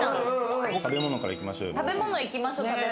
食べ物いきましょう。